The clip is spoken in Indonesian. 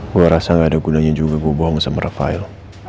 gue rasa gak ada gunanya juga gue buang sama rafael